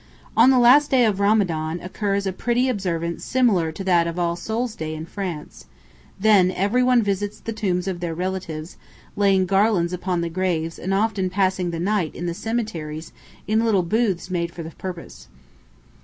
On the last day of Ramadan occurs a pretty observance similar to that of All Souls' day in France; then everyone visits the tombs of their relatives, laying garlands upon the graves and often passing the night in the cemeteries in little booths made for the purpose.